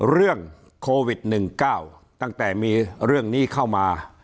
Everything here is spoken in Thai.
เรื่องโควิด๑๙ตั้งแต่มีเรื่องนี้เข้ามา